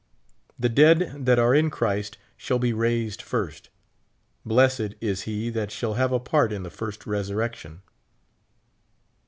The dead that are in Christ shall be raised first. Blessed is he that shall have a part in the first resurrection.